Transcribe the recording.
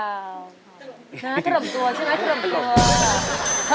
ทะลมตัวใช่ไหมทะลมตัว